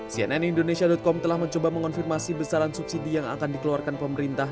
cnn indonesia com telah mencoba mengonfirmasi besaran subsidi yang akan dikeluarkan pemerintah